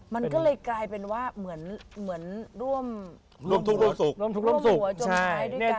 มันก็เลยกลายเป็นว่าเหมือนร่วมหัวจมไทยด้วยกัน